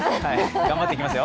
頑張っていきますよ。